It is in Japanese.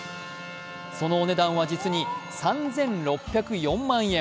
そのお値段は実に３６０４万円。